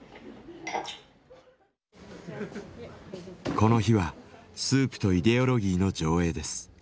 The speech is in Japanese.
この日は「スープとイデオロギー」の上映です。